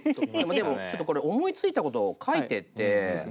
でもちょっとこれ思いついたことを書いてって。